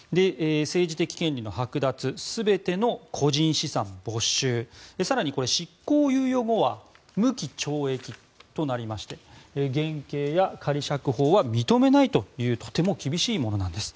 政治的権利のはく奪全ての個人資産の没収更に、執行猶予後は無期懲役となりまして減刑や仮釈放は認めないというとても厳しいものなんです。